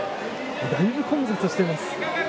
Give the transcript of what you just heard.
だいぶ混雑しています。